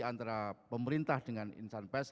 antara pemerintah dengan insan pers